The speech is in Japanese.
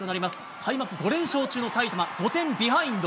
開幕５連勝中の埼玉、５点ビハインド。